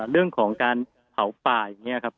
เรื่องของการเผาป่าอย่างนี้ครับ